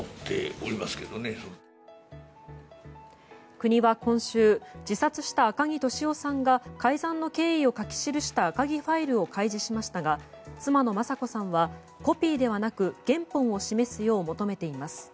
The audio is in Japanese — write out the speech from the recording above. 国は今週、自殺した赤木俊夫さんが改ざんの経緯を書き記した赤木ファイルを開示しましたが妻の雅子さんはコピーではなく原本を示すよう求めています。